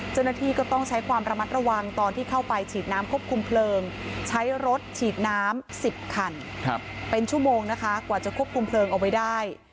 เจ้าหน้าที่ก็ต้องใช้ความระมัดระวังตอนที่เข้าไปฉีดน้ำควบคุมเพลิงใช้รถฉีดน้ำ๑๐คันเป็นชั่วโมงนะคะกว่าจะควบคุมเพลิงเอาไว้ได้